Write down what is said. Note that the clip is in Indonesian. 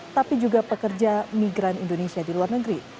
tapi juga pekerja migran indonesia di luar negeri